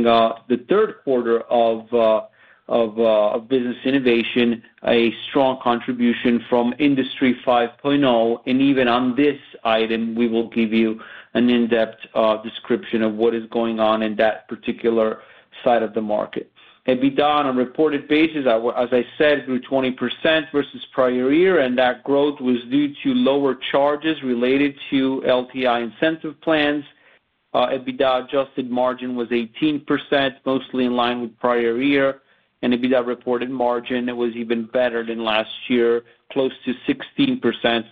In the third quarter of business innovation, a strong contribution from Industry 5.0. Even on this item, we will give you an in-depth description of what is going on in that particular side of the market. EBITDA on a reported basis, as I said, grew 20% versus prior year, and that growth was due to lower charges related to LTI incentive plans. EBITDA adjusted margin was 18%, mostly in line with prior year. EBITDA reported margin was even better than last year, close to 16%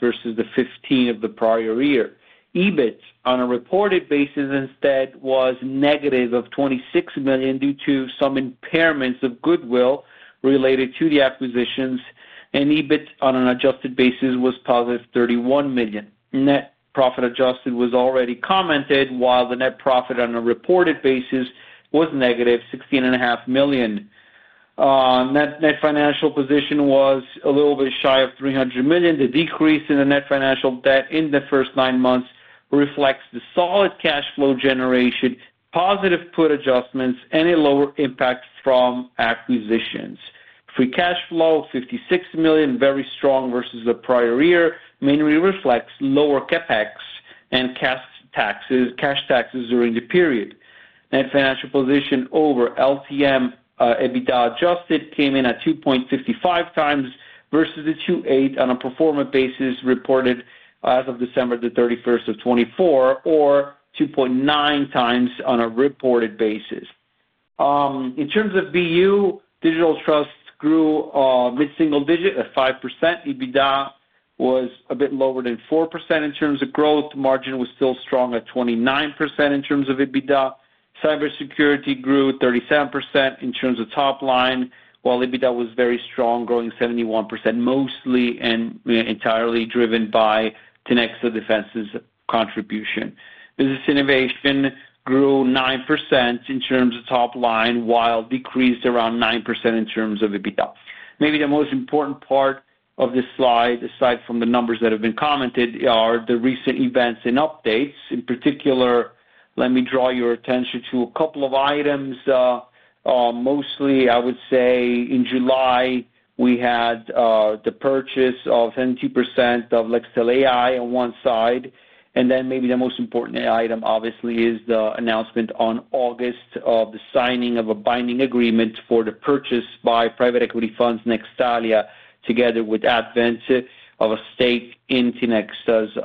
versus the 15% of the prior year. EBIT on a reported basis, instead, was negative 26 million due to some impairments of goodwill related to the acquisitions. EBIT on an adjusted basis was positive 31 million. Net profit adjusted was already commented, while the net profit on a reported basis was negative 16.5 million. Net financial position was a little bit shy of 300 million. The decrease in the net financial debt in the first nine months reflects the solid cash flow generation, positive put adjustments, and a lower impact from acquisitions. Free cash flow of 56 million, very strong versus the prior year, mainly reflects lower CapEx and cash taxes during the period. Net financial position over LTM EBITDA adjusted came in at 2.55 times versus the 2.8 on a performance basis reported as of December 31, 2024, or 2.9 times on a reported basis. In terms of BU, Digital Trust grew mid-single digit at 5%. EBITDA was a bit lower than 4%. In terms of growth, margin was still strong at 29% in terms of EBITDA. Cybersecurity grew 37% in terms of top line, while EBITDA was very strong, growing 71%, mostly and entirely driven by Tinexta Defense's contribution. Business innovation grew 9% in terms of top line, while decreased around 9% in terms of EBITDA. Maybe the most important part of this slide, aside from the numbers that have been commented, are the recent events and updates. In particular, let me draw your attention to a couple of items. Mostly, I would say in July, we had the purchase of 72% of LexTel AI on one side. Maybe the most important item, obviously, is the announcement on August of the signing of a binding agreement for the purchase by private equity funds Nextalia together with Advent of a stake in Tinexta's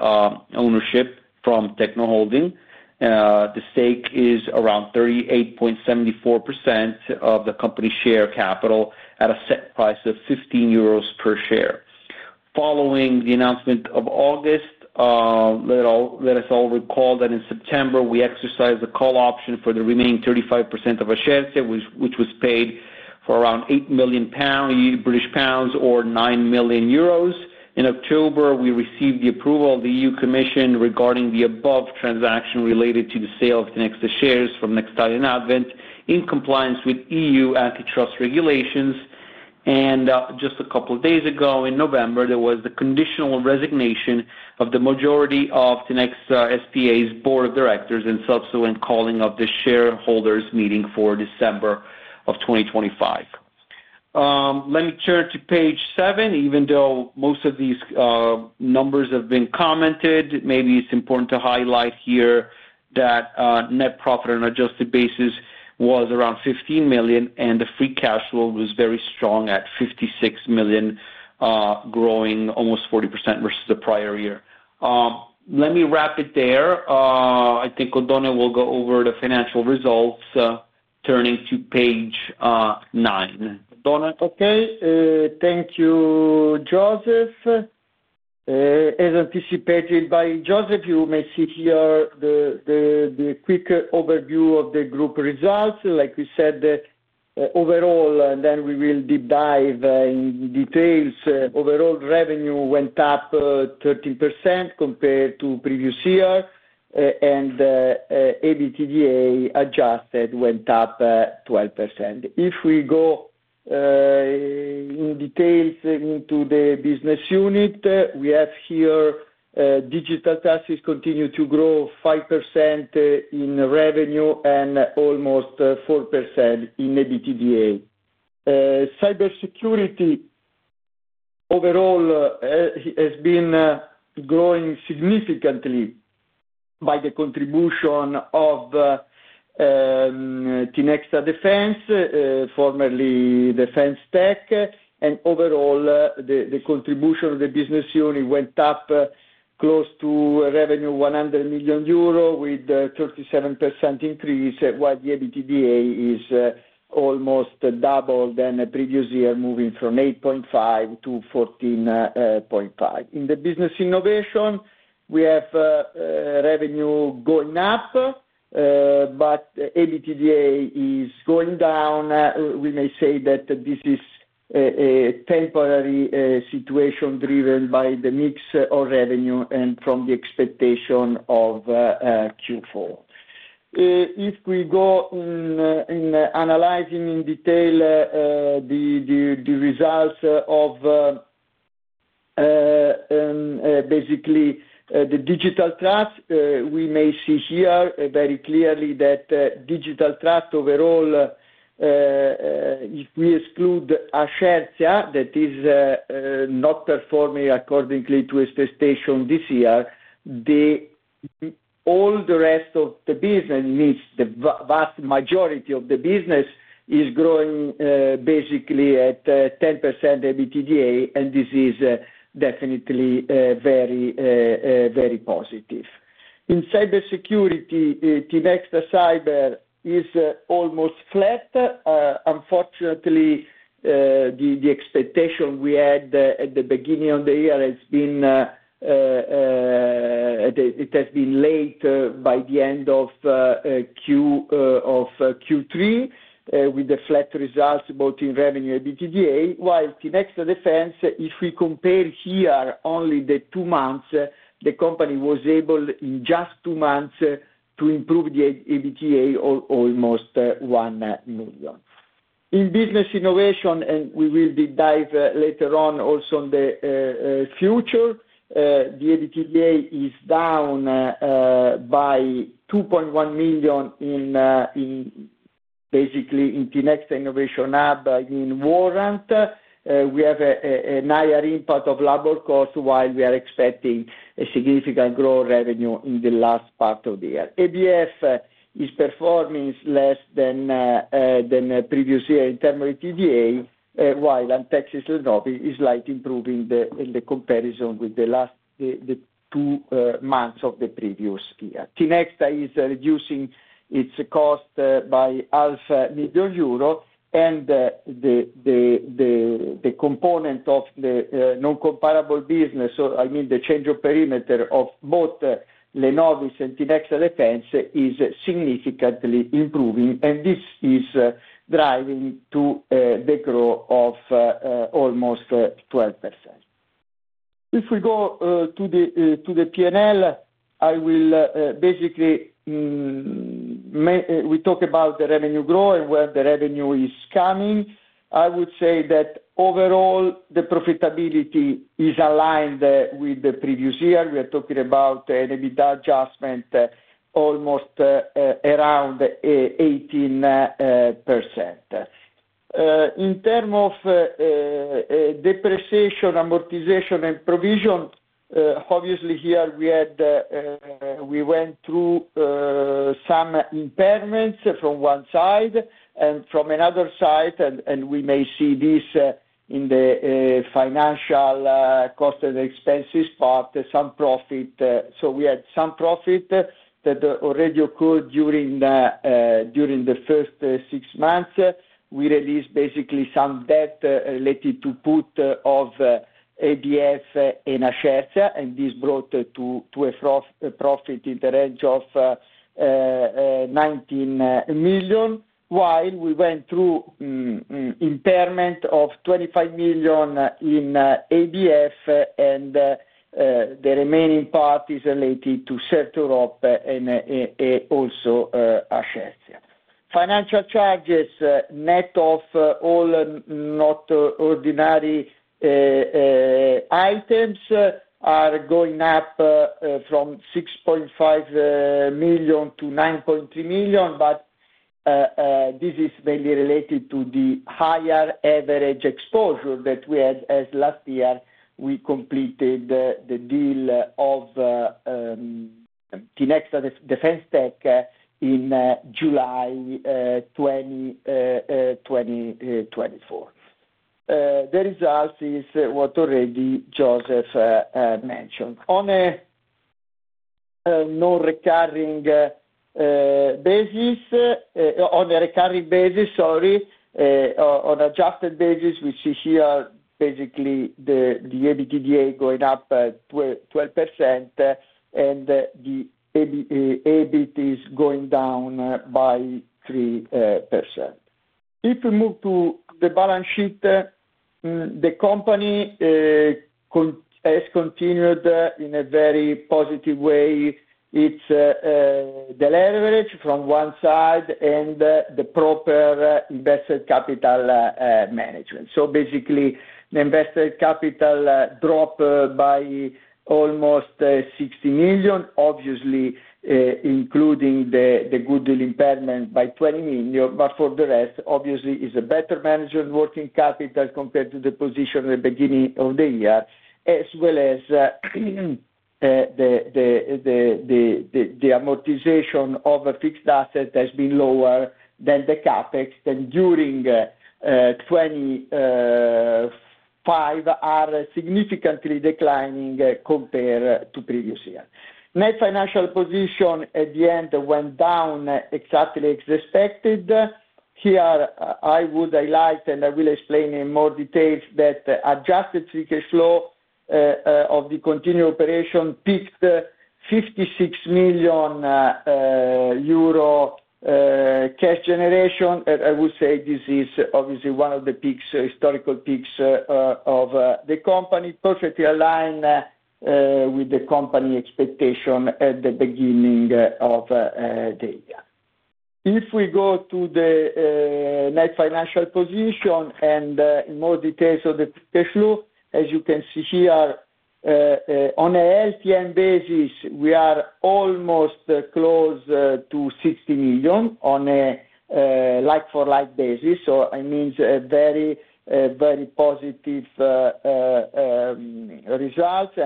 ownership from Techno Holding. The stake is around 38.74% of the company's share capital at a set price of 15 euros per share. Following the announcement of August, let us all recall that in September, we exercised the call option for the remaining 35% of a share, which was paid for around 8 million pounds or EUR 9 million. In October, we received the approval of the EU Commission regarding the above transaction related to the sale of Tinexta shares from Nextalia and Advent in compliance with EU antitrust regulations. Just a couple of days ago, in November, there was the conditional resignation of the majority of Tinexta SpA's board of directors and subsequent calling of the shareholders' meeting for December of 2025. Let me turn to page seven. Even though most of these numbers have been commented, maybe it's important to highlight here that net profit on an adjusted basis was around 15 million, and the free cash flow was very strong at 56 million, growing almost 40% versus the prior year. Let me wrap it there. I think Oddone will go over the financial results, turning to page nine. Okay. Thank you, Josef. As anticipated by Josef, you may see here the quick overview of the group results. Like we said, overall, and then we will deep dive in details, overall revenue went up 13% compared to previous year, and EBITDA adjusted went up 12%. If we go in details into the business unit, we have here digital trust continues to grow 5% in revenue and almost 4% in EBITDA. Cybersecurity, overall, has been growing significantly by the contribution of Tinexta Defense, formerly DefenseTech. Overall, the contribution of the business unit went up close to revenue 100 million euro with a 37% increase, while the EBITDA is almost double than previous year, moving from 8.5 to 14.5. In the business innovation, we have revenue going up, but EBITDA is going down. We may say that this is a temporary situation driven by the mix of revenue and from the expectation of Q4. If we go in analyzing in detail the results of basically the digital trust, we may see here very clearly that digital trust, overall, if we exclude Ashercia that is not performing accordingly to its station this year, all the rest of the business, the vast majority of the business, is growing basically at 10% EBITDA, and this is definitely very, very positive. In cybersecurity, Tinexta Cyber is almost flat. Unfortunately, the expectation we had at the beginning of the year has been it has been late by the end of Q3 with the flat results both in revenue and EBITDA, while Tinexta Defense, if we compare here only the two months, the company was able in just two months to improve the EBITDA almost 1 million. In business innovation, and we will deep dive later on also on the future, the EBITDA is down by 2.1 million basically in Tinexta Innovation Hub in Warrant. We have a higher impact of labor cost while we are expecting a significant growth revenue in the last part of the year. ABF is performing less than previous year in terms of EBITDA, while Antexta is slightly improving in the comparison with the last two months of the previous year. Tinexta is reducing its cost by 0.5 million euro, and the component of the non-comparable business, I mean the change of perimeter of both Lenovis and Tinexta Defense, is significantly improving, and this is driving to the growth of almost 12%. If we go to the P&L, I will basically we talk about the revenue growth and where the revenue is coming. I would say that overall, the profitability is aligned with the previous year. We are talking about an EBITDA adjustment almost around 18%. In terms of depreciation, amortization, and provision, obviously here we went through some impairments from one side and from another side, and we may see this in the financial cost and expenses part, some profit. We had some profit that already occurred during the first six months. We released basically some debt related to put of ABF and Ashercia, and this brought to a profit in the range of 19 million, while we went through impairment of 25 million in ABF, and the remaining part is related to Certirop and also Ashercia. Financial charges, net of all not ordinary items, are going up from 6.5 million to 9.3 million, but this is mainly related to the higher average exposure that we had as last year we completed the deal of Tinexta DefenseTech in July 2024. The result is what already Josef mentioned. On a non-recurring basis, on a recurring basis, sorry, on an adjusted basis, we see here basically the EBITDA going up 12%, and the EBIT is going down by 3%. If we move to the balance sheet, the company has continued in a very positive way its delivery from one side and the proper invested capital management. Basically, the invested capital dropped by almost 60 million, obviously including the goodwill impairment by 20 million, but for the rest, obviously, is a better management working capital compared to the position at the beginning of the year, as well as the amortization of fixed assets has been lower than the CapEx, and during 2025 are significantly declining compared to previous year. Net financial position at the end went down exactly as expected. Here, I would highlight, and I will explain in more detail, that adjusted free cash flow of the continued operation peaked 56 million euro cash generation. I would say this is obviously one of the historical peaks of the company, perfectly aligned with the company expectation at the beginning of the year. If we go to the net financial position and in more details of the free cash flow, as you can see here, on a LTM basis, we are almost close to 60 million on a like-for-like basis. It means very, very positive results.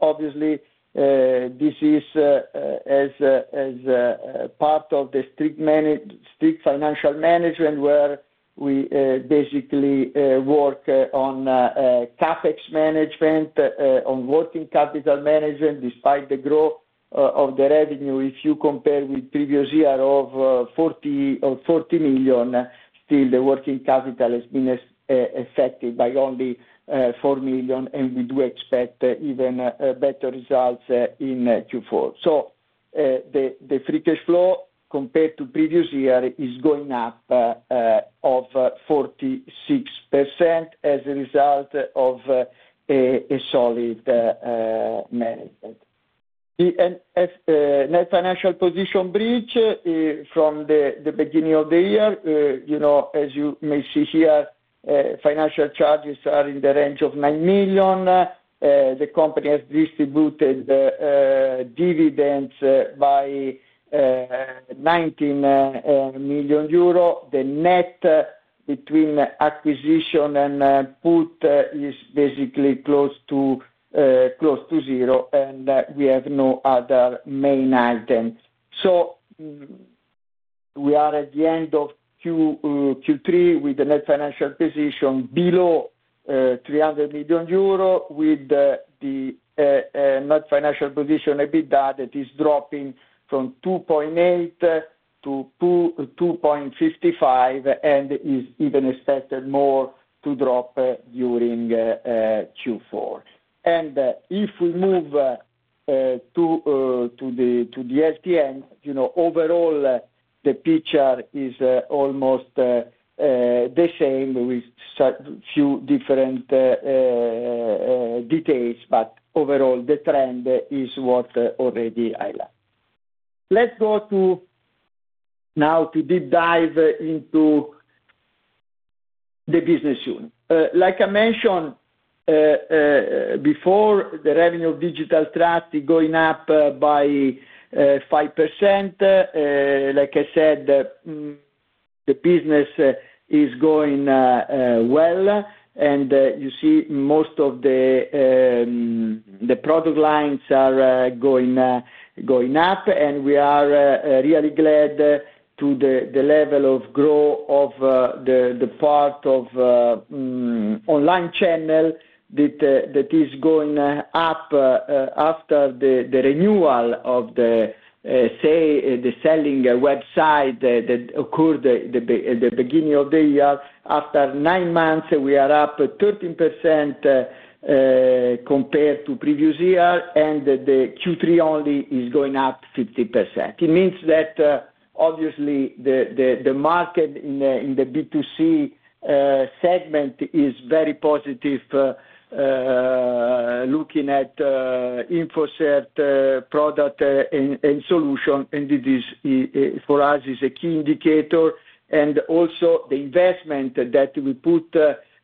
Obviously, this is as part of the strict financial management where we basically work on CapEx management, on working capital management. Despite the growth of the revenue, if you compare with previous year of 40 million, still the working capital has been affected by only 4 million, and we do expect even better results in Q4. The free cash flow compared to previous year is going up of 46% as a result of a solid management. The net financial position breach from the beginning of the year, as you may see here, financial charges are in the range of 9 million. The company has distributed dividends by 19 million euro. The net between acquisition and put is basically close to zero, and we have no other main item. We are at the end of Q3 with the net financial position below 300 million euro with the net financial position EBITDA that is dropping from 2.8 to 2.55 and is even expected more to drop during Q4. If we move to the LTM, overall, the picture is almost the same with a few different details, but overall, the trend is what already highlighted. Let's go now to deep dive into the business unit. Like I mentioned before, the revenue of digital trust is going up by 5%. Like I said, the business is going well, and you see most of the product lines are going up, and we are really glad to the level of growth of the part of online channel that is going up after the renewal of the selling website that occurred at the beginning of the year. After nine months, we are up 13% compared to previous year, and the Q3 only is going up 15%. It means that obviously the market in the B2C segment is very positive, looking at Infocert product and solution, and this for us is a key indicator. Also the investment that we put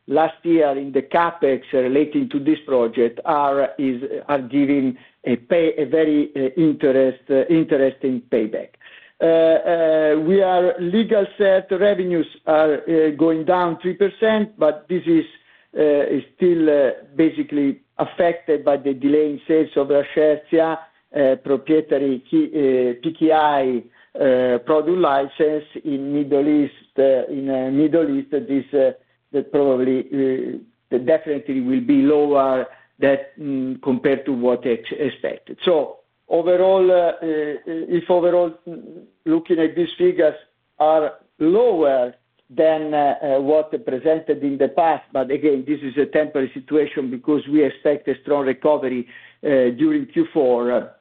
last year in the CapEx relating to this project are giving a very interesting payback. Legal set revenues are going down 3%, but this is still basically affected by the delay in sales of Ashercia, proprietary PKI product license in the Middle East. This probably definitely will be lower compared to what expected. Overall, if overall looking at these figures are lower than what presented in the past, but again, this is a temporary situation because we expect a strong recovery during Q4.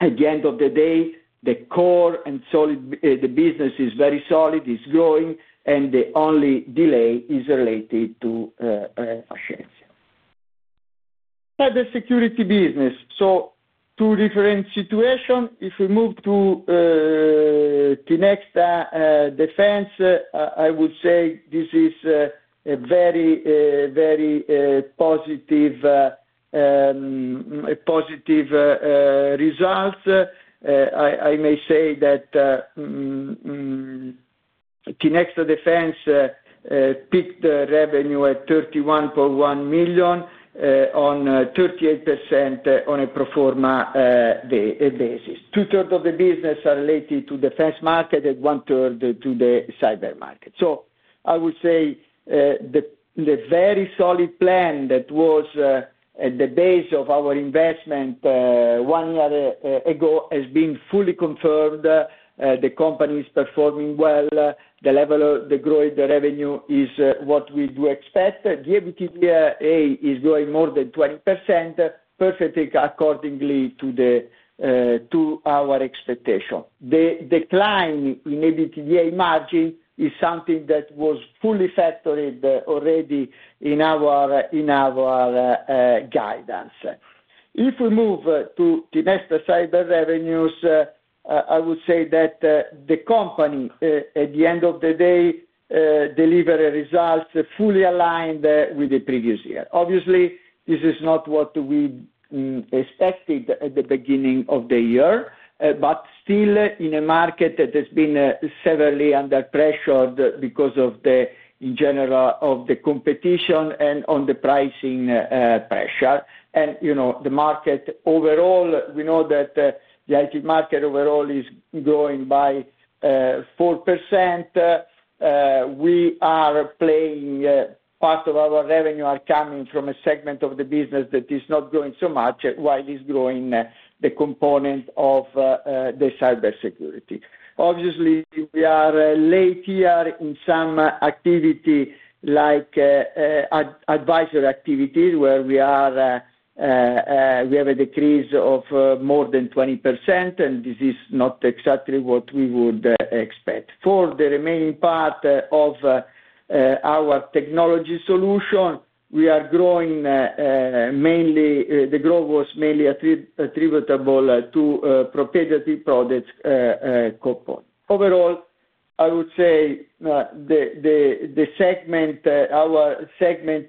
At the end of the day, the core and the business is very solid, is growing, and the only delay is related to Ashercia and the security business. Two different situations. If we move to Tinexta Defense, I would say this is a very, very positive result. I may say that Tinexta Defense peaked revenue at 31.1 million on 38% on a proforma basis. Two-thirds of the business are related to defense market and one-third to the cyber market. I would say the very solid plan that was at the base of our investment one year ago has been fully confirmed. The company is performing well. The level of the growth in the revenue is what we do expect. The EBITDA is growing more than 20%, perfectly accordingly to our expectation. The decline in EBITDA margin is something that was fully factored already in our guidance. If we move to Tinexta Cyber revenues, I would say that the company at the end of the day delivered results fully aligned with the previous year. Obviously, this is not what we expected at the beginning of the year, but still in a market that has been severely under pressure because of the, in general, of the competition and on the pricing pressure. The market overall, we know that the IT market overall is growing by 4%. We are playing part of our revenue is coming from a segment of the business that is not growing so much while it's growing the component of the cybersecurity. Obviously, we are late here in some activity like advisory activities where we have a decrease of more than 20%, and this is not exactly what we would expect. For the remaining part of our technology solution, we are growing mainly the growth was mainly attributable to proprietary products component. Overall, I would say the segment, our segment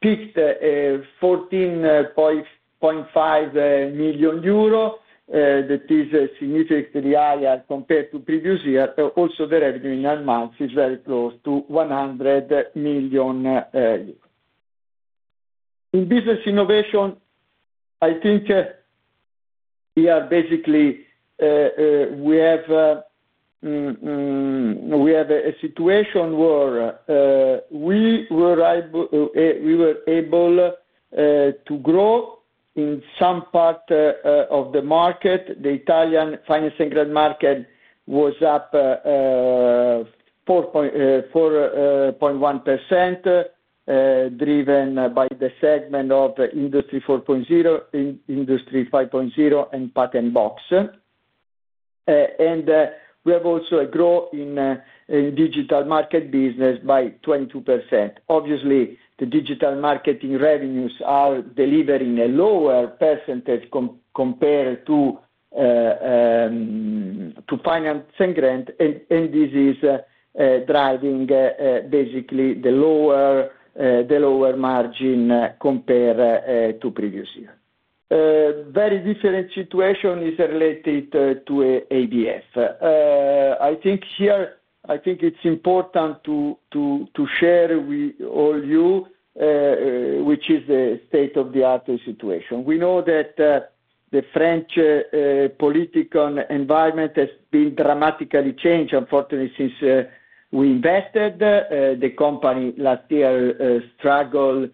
peaked 14.5 million euro that is significantly higher compared to previous year. Also, the revenue in nine months is very close to 100 million euros. In business innovation, I think we are basically we have a situation where we were able to grow in some part of the market. The Italian finance and grant market was up 4.1% driven by the segment of Industry 4.0, Industry 5.0, and PatentBox. We have also a growth in digital market business by 22%. Obviously, the digital marketing revenues are delivering a lower percentage compared to finance and grant, and this is driving basically the lower margin compared to previous year. Very different situation is related to ABF. I think here I think it's important to share with all you which is the state of the art situation. We know that the French political environment has been dramatically changed, unfortunately, since we invested. The company last year struggled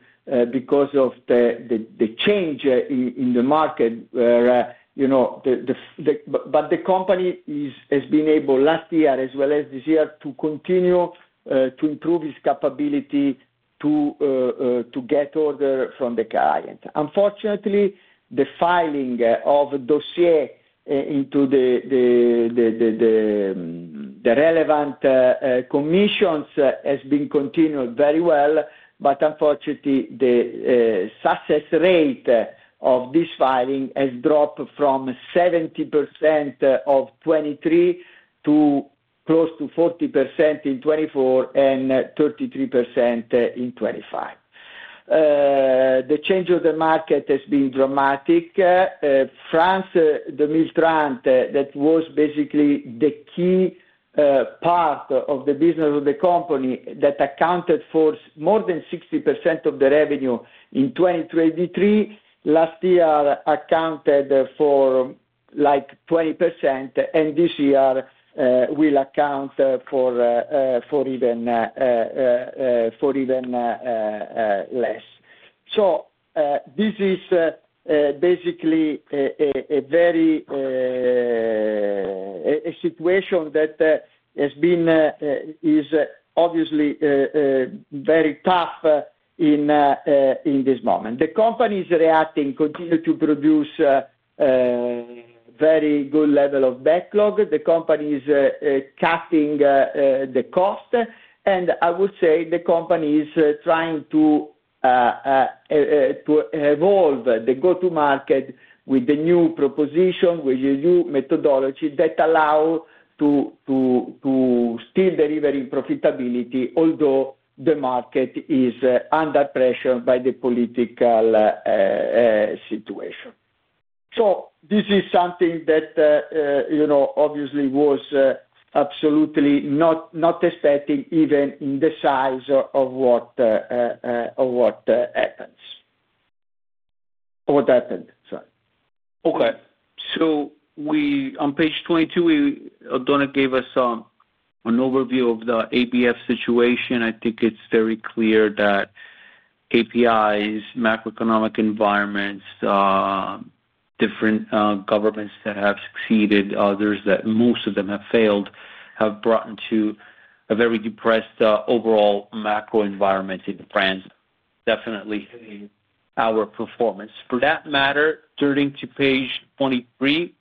because of the change in the market where, but the company has been able last year as well as this year to continue to improve its capability to get order from the client. Unfortunately, the filing of a dossier into the relevant commissions has been continued very well, but unfortunately, the success rate of this filing has dropped from 70% of 2023 to close to 40% in 2024 and 33% in 2025. The change of the market has been dramatic. France, the militant that was basically the key part of the business of the company that accounted for more than 60% of the revenue in 2023, last year accounted for like 20%, and this year will account for even less. This is basically a situation that has been obviously very tough in this moment. The company is reacting, continuing to produce a very good level of backlog. The company is cutting the cost, and I would say the company is trying to evolve the go-to-market with the new proposition, with the new methodology that allows to still delivering profitability, although the market is under pressure by the political situation. This is something that obviously was absolutely not expecting even in the size of what happened. What happened? Sorry. Okay. On page 22, Oddone gave us an overview of the ABF situation. I think it is very clear that KPIs, macroeconomic environments, different governments that have succeeded, others that most of them have failed, have brought into a very depressed overall macro environment in France. Definitely our performance. For that matter, turning to page 23,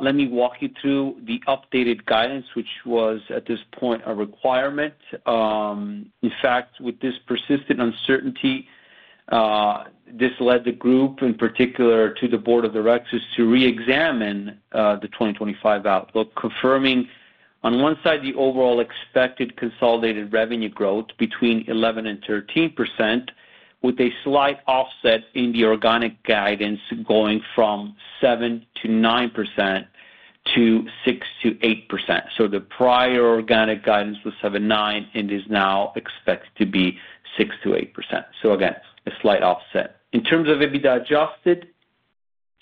let me walk you through the updated guidance, which was at this point a requirement. In fact, with this persistent uncertainty, this led the group, in particular to the board of directors, to re-examine the 2025 outlook, confirming on one side the overall expected consolidated revenue growth between 11-13%, with a slight offset in the organic guidance going from 7-9% to 6-8%. The prior organic guidance was 7-9% and is now expected to be 6-8%. Again, a slight offset. In terms of EBITDA adjusted,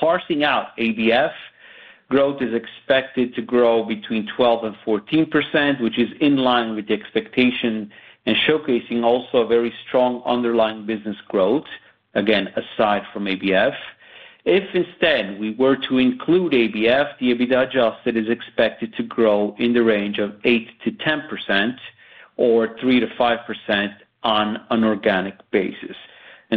parsing out ABF, growth is expected to grow between 12-14%, which is in line with the expectation and showcasing also a very strong underlying business growth, again, aside from ABF. If instead we were to include ABF, the EBITDA adjusted is expected to grow in the range of 8-10% or 3-5% on an organic basis.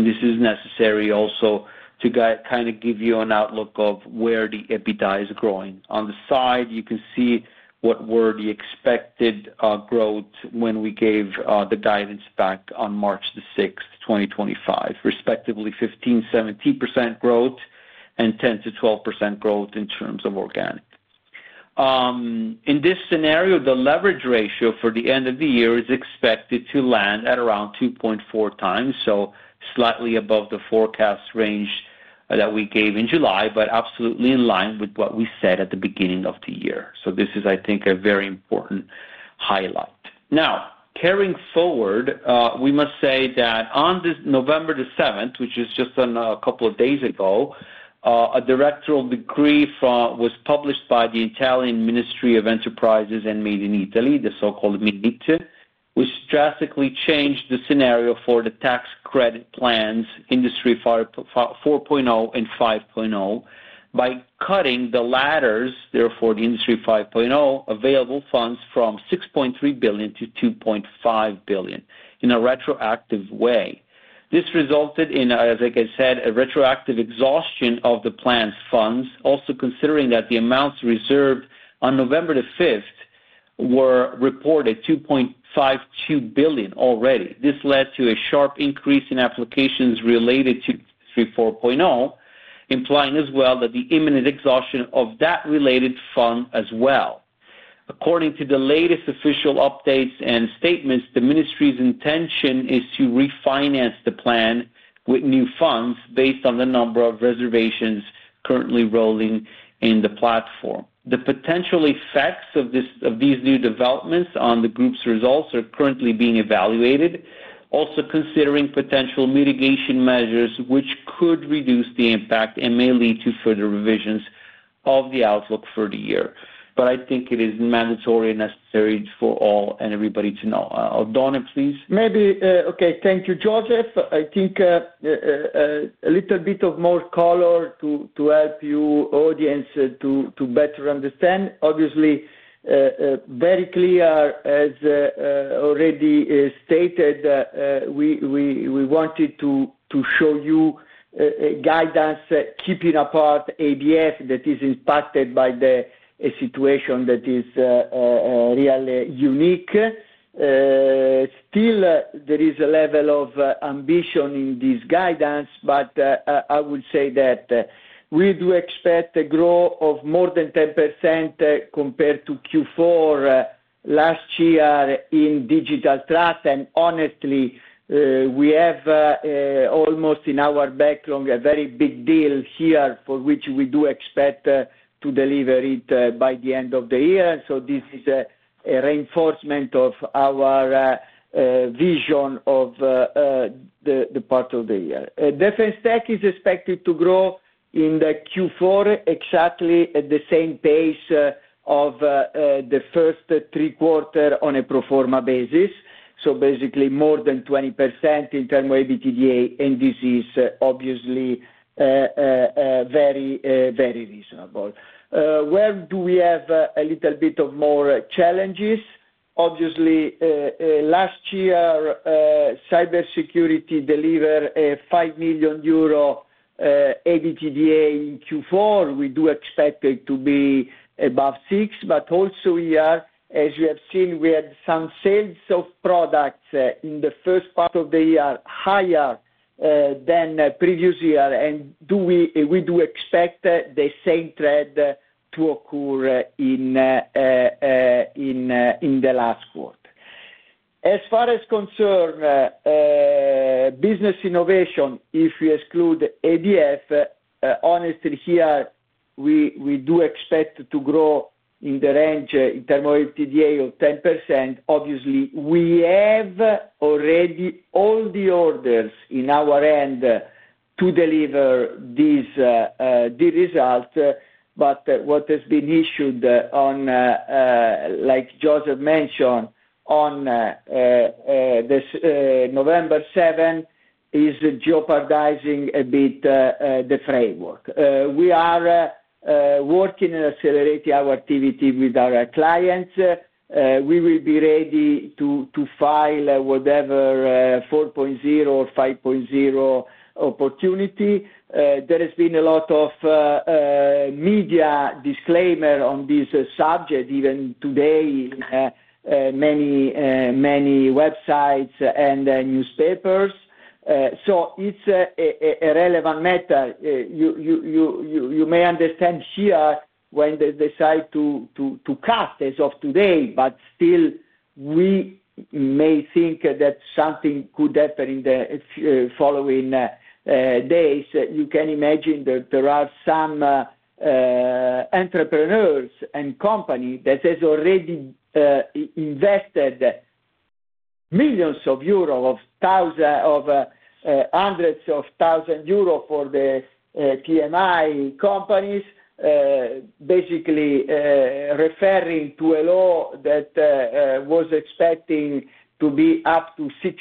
This is necessary also to kind of give you an outlook of where the EBITDA is growing. On the side, you can see what were the expected growth when we gave the guidance back on March the 6th, 2025, respectively 15-17% growth and 10-12% growth in terms of organic. In this scenario, the leverage ratio for the end of the year is expected to land at around 2.4 times, so slightly above the forecast range that we gave in July, but absolutely in line with what we said at the beginning of the year. This is, I think, a very important highlight. Now, carrying forward, we must say that on November the 7th, which is just a couple of days ago, a directorial decree was published by the Italian Ministry of Enterprises and Made in Italy, the so-called MINIT, which drastically changed the scenario for the tax credit plans, Industry 4.0 and 5.0, by cutting the latter, therefore the Industry 5.0, available funds from 6.3 billion to 2.5 billion in a retroactive way. This resulted in, as I said, a retroactive exhaustion of the plan's funds, also considering that the amounts reserved on November the 5th were reported 2.52 billion already. This led to a sharp increase in applications related to Industry 4.0, implying as well that the imminent exhaustion of that related fund as well. According to the latest official updates and statements, the ministry's intention is to refinance the plan with new funds based on the number of reservations currently rolling in the platform. The potential effects of these new developments on the group's results are currently being evaluated, also considering potential mitigation measures which could reduce the impact and may lead to further revisions of the outlook for the year. I think it is mandatory and necessary for all and everybody to know. Oddone, please. Maybe. Okay. Thank you, Josef. I think a little bit of more color to help you audience to better understand. Obviously, very clear, as already stated, we wanted to show you guidance keeping apart ABF that is impacted by the situation that is really unique. Still, there is a level of ambition in this guidance, but I would say that we do expect a growth of more than 10% compared to Q4 last year in digital trust. And honestly, we have almost in our backlog a very big deal here for which we do expect to deliver it by the end of the year. This is a reinforcement of our vision of the part of the year. Defense tech is expected to grow in Q4 exactly at the same pace of the first three quarters on a proforma basis. Basically more than 20% in terms of EBITDA and this is obviously very reasonable. Where do we have a little bit of more challenges? Obviously, last year, cybersecurity delivered a EUR 5 million EBITDA in Q4. We do expect it to be above 6, but also, as you have seen, we had some sales of products in the first part of the year higher than previous year. We do expect the same trend to occur in the last quarter. As far as concerns business innovation, if you exclude ABF, honestly, here we do expect to grow in the range in terms of EBITDA of 10%. Obviously, we have already all the orders in our end to deliver the result, but what has been issued on, like Josef mentioned, on November 7th is jeopardizing a bit the framework. We are working and accelerating our activity with our clients. We will be ready to file whatever 4.0 or 5.0 opportunity. There has been a lot of media disclaimers on this subject, even today in many websites and newspapers. It is a relevant matter. You may understand here when they decide to cut as of today, but still we may think that something could happen in the following days. You can imagine that there are some entrepreneurs and companies that have already invested millions of EUR, hundreds of thousands of EUR for the PMI companies, basically referring to a law that was expected to be up to 6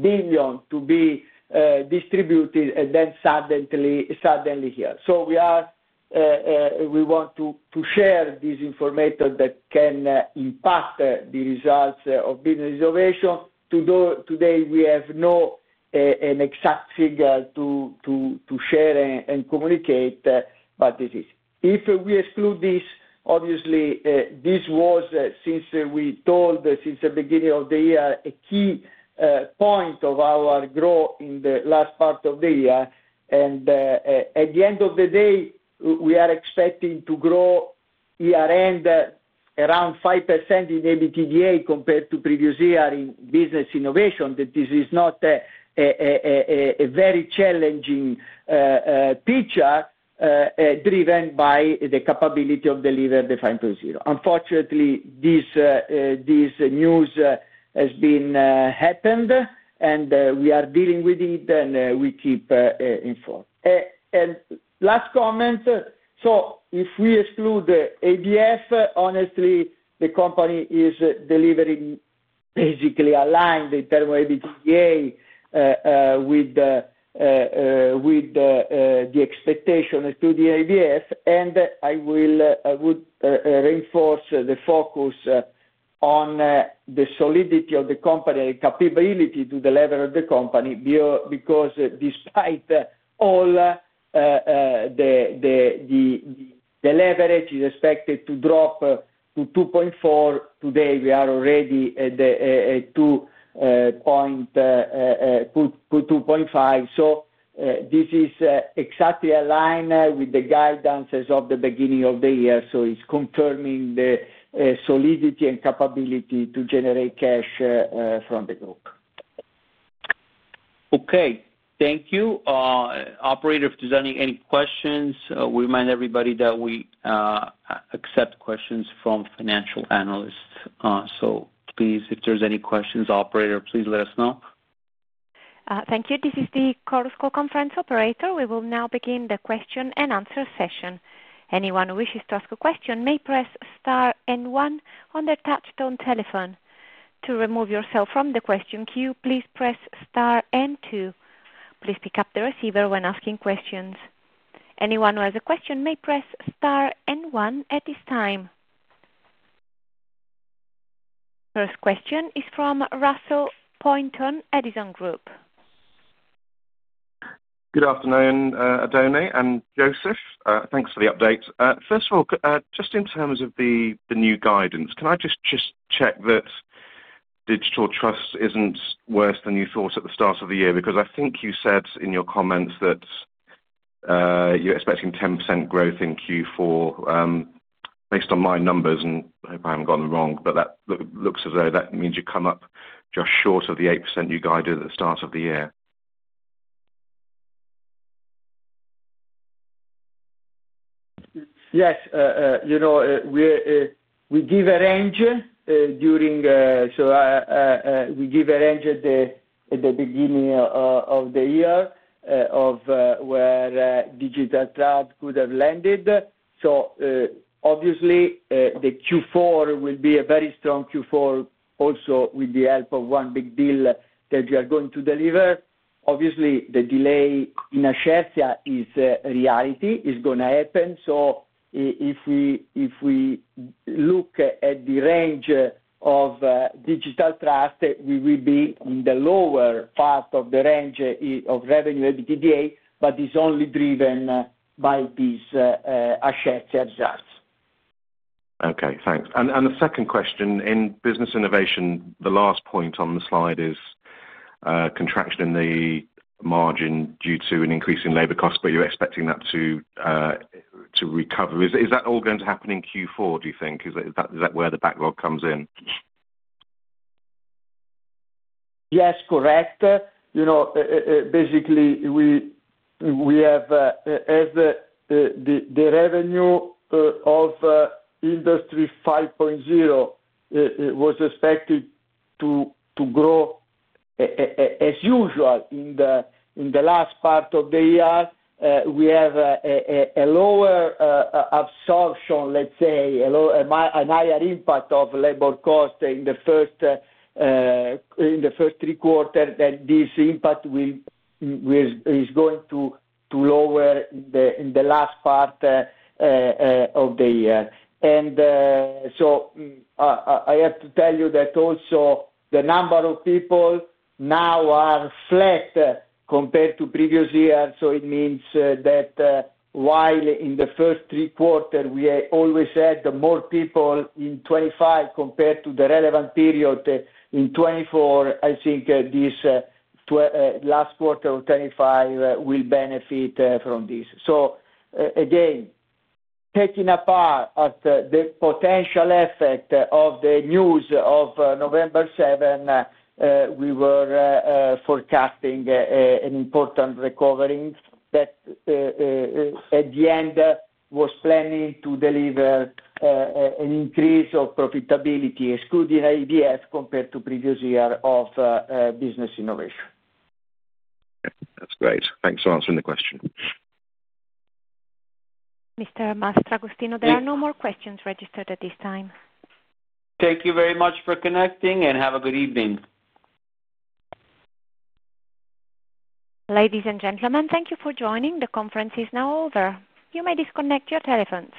billion to be distributed and then suddenly here. We want to share this information that can impact the results of business innovation. Today, we have no exact figure to share and communicate, but this is. If we exclude this, obviously, this was, since we told since the beginning of the year, a key point of our growth in the last part of the year. At the end of the day, we are expecting to grow year-end around 5% in EBITDA compared to previous year in business innovation, that this is not a very challenging picture driven by the capability of delivering the 5.0. Unfortunately, this news has happened, and we are dealing with it, and we keep informed. Last comment. If we exclude ABF, honestly, the company is delivering basically aligned in terms of EBITDA with the expectation to the ABF. I would reinforce the focus on the solidity of the company and capability to deliver the company because despite all, the leverage is expected to drop to 2.4. Today, we are already at 2.5. This is exactly aligned with the guidance as of the beginning of the year. It is confirming the solidity and capability to generate cash from the group. Okay. Thank you. Operator, if there are any questions, we remind everybody that we accept questions from financial analysts. Please, if there are any questions, Operator, let us know. Thank you. This is the CORSCO conference operator. We will now begin the question and answer session. Anyone who wishes to ask a question may press star and one on their touchstone telephone. To remove yourself from the question queue, please press star and two. Please pick up the receiver when asking questions. Anyone who has a question may press star and one at this time. First question is from Russell Pointon at Edison Group. Good afternoon, Oddone and Josef. Thanks for the update. First of all, just in terms of the new guidance, can I just check that digital trust is not worse than you thought at the start of the year? Because I think you said in your comments that you are expecting 10% growth in Q4 based on my numbers, and I hope I have not gotten them wrong, but that looks as though that means you come up just short of the 8% you guided at the start of the year. Yes. We give a range during, so we give a range at the beginning of the year of where digital trust could have landed. Obviously, the Q4 will be a very strong Q4 also with the help of one big deal that we are going to deliver. Obviously, the delay in Ashercia is a reality. It is going to happen. If we look at the range of digital trust, we will be in the lower part of the range of revenue EBITDA, but it's only driven by this Ashercia trust. Okay. Thanks. The second question in business innovation, the last point on the slide is contraction in the margin due to an increase in labor costs, but you're expecting that to recover. Is that all going to happen in Q4, do you think? Is that where the backlog comes in? Yes, correct. Basically, we have the revenue of Industry 5.0 was expected to grow as usual in the last part of the year. We have a lower absorption, let's say, a higher impact of labor costs in the first three quarters, and this impact is going to lower in the last part of the year. I have to tell you that also the number of people now are flat compared to previous year. It means that while in the first three quarters, we always had more people in 2025 compared to the relevant period in 2024, I think this last quarter of 2025 will benefit from this. Again, taking apart the potential effect of the news of November 7th, we were forecasting an important recovery that at the end was planning to deliver an increase of profitability, excluding ABF compared to previous year of business innovation. Okay. That's great. Thanks for answering the question. Mr. Mastragostino, there are no more questions registered at this time. Thank you very much for connecting, and have a good evening. Ladies and gentlemen, thank you for joining. The conference is now over. You may disconnect your telephone.